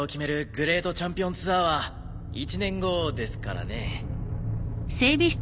グレートチャンピオンツアーは１年後ですからね。